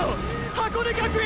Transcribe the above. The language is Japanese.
⁉箱根学園